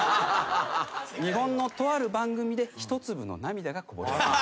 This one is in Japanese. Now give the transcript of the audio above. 日本のとある番組で一粒の涙がこぼれ落ちました。